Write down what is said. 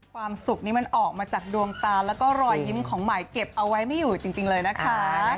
ความสุขนี้มันออกมาจากดวงตาแล้วก็รอยยิ้มของใหม่เก็บเอาไว้ไม่อยู่จริงเลยนะคะ